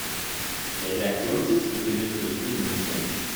Der Redaktionssitz befindet sich in München.